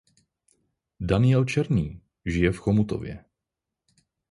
Daniel Černý žije v Chomutově.